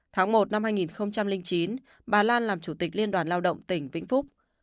tháng một năm hai nghìn chín bà lan làm chủ tịch liên đoàn lao động tỉnh vĩnh phúc